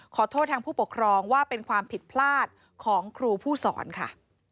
ขอโทษทางผู้ปกครองว่าเป็นความผิดพลาดของครูผู้สอนค่ะ